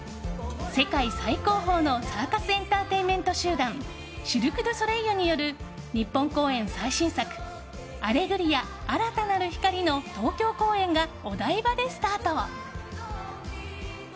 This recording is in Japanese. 世界最高峰のサーカスエンターテインメント集団シルク・ドゥ・ソレイユによる日本公演最新作「アレグリア‐新たなる光‐」の東京公演がお台場でスタート。